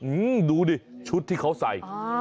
อืมดูดิชุดที่เขาใส่